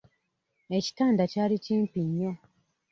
Ekitanda kyali kimpi nnyo.